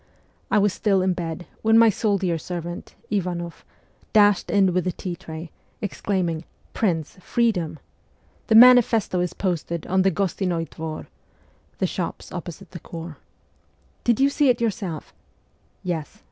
I was still in bed, when my soldier servant, Ivanoff, dashed in with the tea tray, exclaim ing, 'Prince, freedom! The manifesto is posted on the Gostinoi Dvor ' (the shops opposite the corps). ' Did you see it yourself ?' 'Yes.